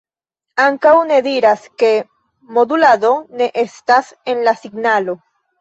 Ankaŭ ne diras, ke modulado ne estas en la signalo.